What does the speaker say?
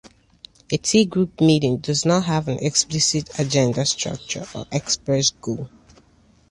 A T-group meeting does not have an explicit agenda, structure, or express goal.